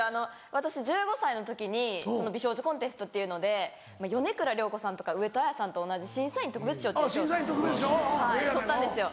私１５歳の時に美少女コンテストっていうので米倉涼子さんとか上戸彩さんと同じ審査員特別賞っていう賞取ったんですよ。